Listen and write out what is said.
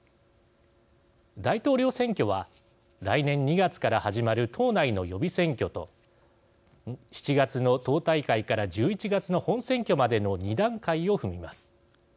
大統領選挙は来年２月から始まる党内の予備選挙と７月の党大会から１１月の本選挙までの２段階を踏みます。